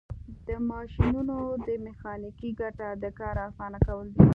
د ماشینونو میخانیکي ګټه د کار اسانه کول دي.